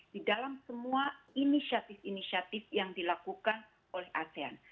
di dalam semua inisiatif inisiatif yang dilakukan oleh asean